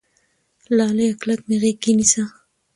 لاليه کلک مې غېږ کې نيسه